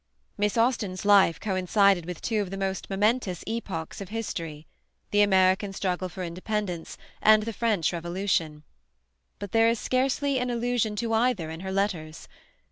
Miss Austen's life coincided with two of the momentous epochs of history, the American struggle for independence, and the French Revolution; but there is scarcely an allusion to either in her letters.